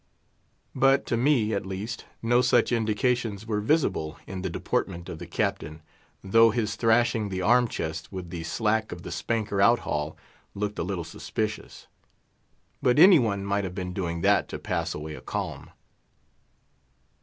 But to me, at least, no such indications were visible in the deportment of the Captain, though his thrashing the arm chest with the slack of the spanker out haul looked a little suspicious. But any one might have been doing that to pass away a calm.